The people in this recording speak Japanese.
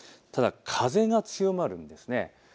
ただ風が強まるんです。